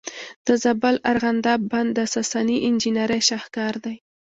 د زابل ارغنداب بند د ساساني انجینرۍ شاهکار دی